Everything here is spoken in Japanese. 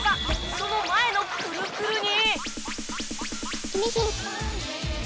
その前のクルクルに